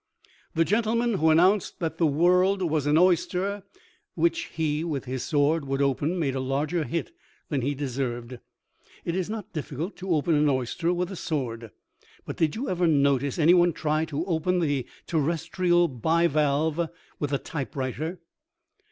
The gentleman who announced that the world was an oyster which he with his sword would open made a larger hit than he deserved. It is not difficult to open an oyster with a sword. But did you ever notice any one try to open the terrestrial bivalve with a typewriter?